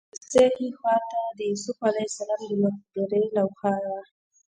د کوڅې ښي خوا ته د یوسف علیه السلام د مقبرې لوحه وه.